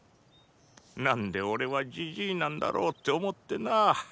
なンで俺はじじいなんだろうって思ってな。